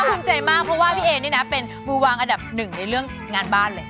เพราะเอ๊คุณใจมากเพราะว่าพี่เอ๊เป็นมือวางอันดับหนึ่งในเรื่องงานบ้านเลย